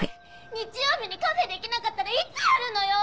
日曜日にカフェできなかったらいつやるのよ！？